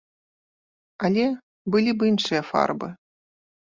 Але былі б іншыя фарбы.